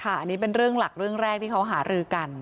อันนี้เป็นเรื่องหลักเรื่องแรกที่เขาหารือกัน